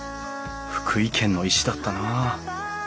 福井県の石だったな。